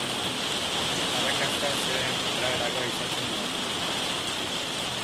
Arrakasta zeren araberakoa izaten da?